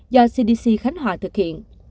do cdc khánh họa thực hiện